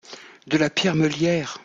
De la pierre meulière !